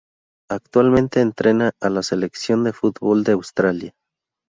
Actualmente entrena a la Selección de Fútbol de Australia.